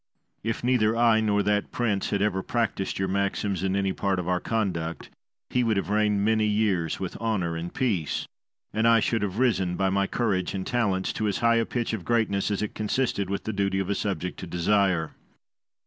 Guise. If neither I nor that prince had ever practised your maxims in any part of our conduct, he would have reigned many years with honour and peace, and I should have risen by my courage and talents to as high a pitch of greatness as it consisted with the duty of a subject to desire.